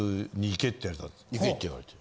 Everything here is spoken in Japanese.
行けって言われて。